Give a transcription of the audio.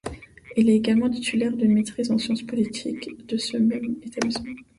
Il est également titulaire d'une maîtrise en science politique de ce même établissement.